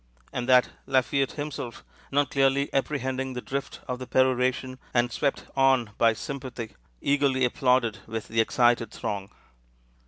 and that Lafayette himself, not clearly apprehending the drift of the peroration, and swept on by sympathy, eagerly applauded with the excited throng.